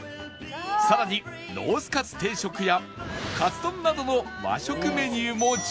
さらにロースかつ定食やカツ丼などの和食メニューも充実